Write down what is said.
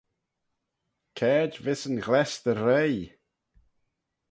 Caid vees yn ghless dy roie?